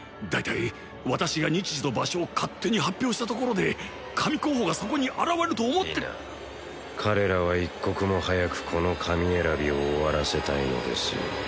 大体私が日時と場所を勝手に発表したところで神候補がそこに現れると思って☎否彼らは一刻も早くこの神選びを終わらせたいのですよ